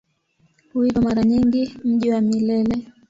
Huitwa mara nyingi "Mji wa Milele".